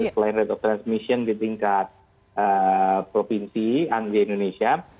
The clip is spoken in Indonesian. selain rate of transmission di tingkat provinsi dan di indonesia